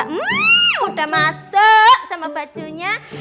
hmm udah masuk sama bajunya